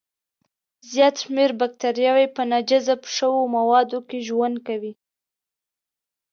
زیات شمېر بکتریاوي په ناجذب شوو موادو کې ژوند کوي.